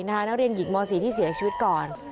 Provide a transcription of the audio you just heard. นักเรียนหญิงม๔ที่เสียชีวิตก่อน